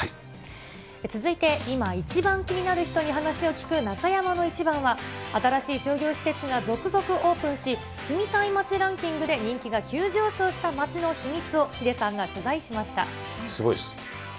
続いて今、一番気になる人に話を聞く、中山のイチバンは、新しい商業施設が続々オープンし、住みたい街ランキングで人気が急上昇した街の秘密をヒデさんが取すごいです。